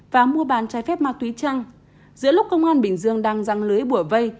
và mua bàn trái phép ma túy trăng giữa lúc công an bình dương đang răng lưới bùa vây